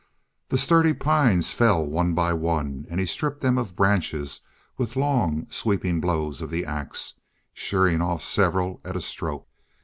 The sturdy pines fell one by one, and he stripped them of branches with long, sweeping blows of the ax, shearing off several at a stroke.